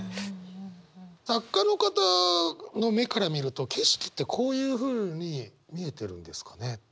作家の方の目から見ると景色ってこういうふうに見えてるんですかね？